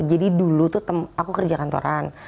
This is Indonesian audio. jadi dulu aku kerja kantoran